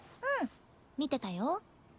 うん見てたよ。